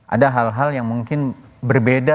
ada hal hal yang mungkin berbeda